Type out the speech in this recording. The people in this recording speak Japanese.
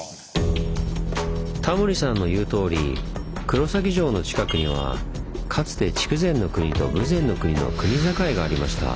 タモリさんの言うとおり黒崎城の近くにはかつて筑前国と豊前国の国境がありました。